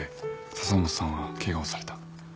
笹本さんはケガをされた。